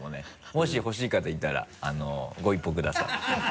もし欲しい方いたらご一報ください。